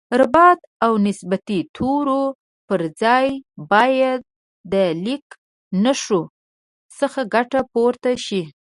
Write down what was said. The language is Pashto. د ربط او نسبتي تورو پر ځای باید د لیکنښو څخه ګټه پورته شي